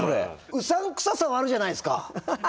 うさんくささはあるじゃないですか。